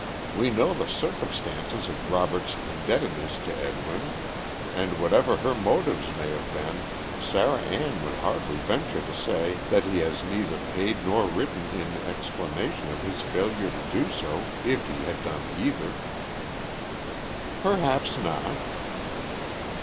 We know the circumstances of Robert's indebtedness to Edwin, and whatever her motives may have been, Sarah Ann would hardly venture to say that he has neither paid nor written in explanation of his failure to do so, if he had done either." "Perhaps not."